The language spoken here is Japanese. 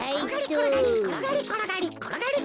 ころがりころがりころがり。